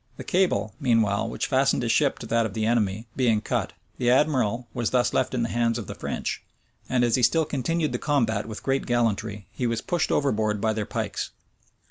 The cable, meanwhile, which fastened his ship to that of the enemy, being cut, the admiral was thus left in the hands of the French; and as he still continued the combat with great gallantry, he was pushed overboard by their pikes.